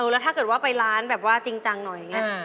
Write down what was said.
แล้วถ้าเกิดว่าไปร้านแบบว่าจริงจังหน่อยอย่างนี้